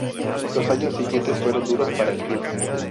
Los años siguientes fueron duros para el club.